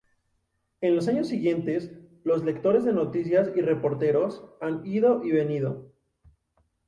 En los años siguientes, los lectores de noticias y reporteros han ido y venido.